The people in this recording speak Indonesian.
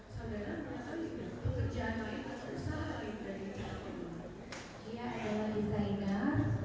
setiap saudara menantang kata wadilah yang